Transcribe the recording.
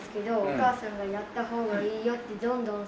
お母さんがやった方がいいよってどんどん。